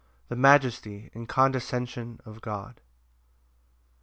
The majesty and condescension of God.